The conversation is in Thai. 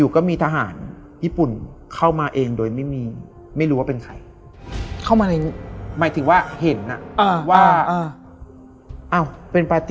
ก็แม่ไงครับ